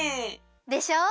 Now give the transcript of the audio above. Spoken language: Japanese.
でしょ！？